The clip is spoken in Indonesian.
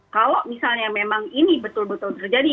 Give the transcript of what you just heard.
kalau misalnya memang ini betul betul terjadi